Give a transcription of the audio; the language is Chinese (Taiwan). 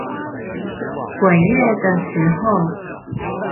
鬼月的時候